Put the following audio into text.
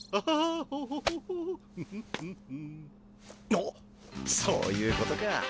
あっそういうことか。